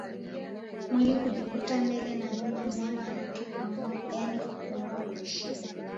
Mwili kujivuta mbele na nyuma mnyama anapopumua yaani kupumua kwa shida